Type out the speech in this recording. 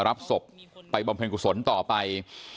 ไม่ใช่ครับใช่